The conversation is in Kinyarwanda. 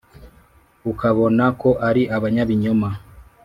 ukabona ko ari abanyabinyoma.